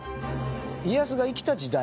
家康が生きた時代